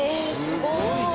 「すごいね」